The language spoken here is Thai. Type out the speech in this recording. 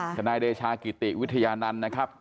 นายเดชากิติวิทยานันต์นะครับ